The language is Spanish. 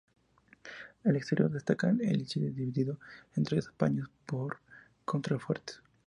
Al exterior destaca el ábside dividido en tres paños por contrafuertes.